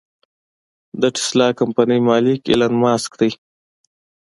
د ټسلا کمپنۍ مالک ايلام مسک دې.